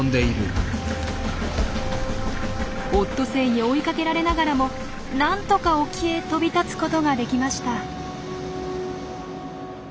オットセイに追いかけられながらも何とか沖へ飛び立つことができました。